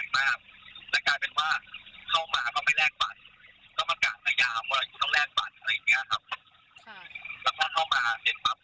ที่ปุ่งเนี่ยตัดต่อมาเขาพันทั้งกลางแล้วก็ชอบจัดปาร์ตี้ไปลุงไม่น่าใจว่าปาร์ตี้หรือสามารถว่าชอบเธอเป็นคน